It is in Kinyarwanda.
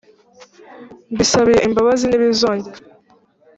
Mbisabiye imbabazi ntibizongera